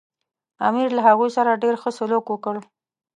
امیر له هغوی سره ډېر ښه سلوک وکړ.